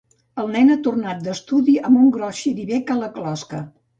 El nen ha tornat d'estudi amb un gros xiribec a la closca.